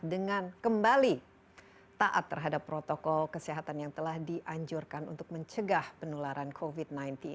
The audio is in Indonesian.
dengan kembali taat terhadap protokol kesehatan yang telah dianjurkan untuk mencegah penularan covid sembilan belas